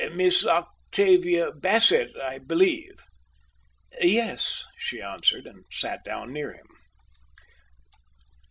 "Miss Octavia Bassett, I believe." "Yes," she answered, and sat down near him.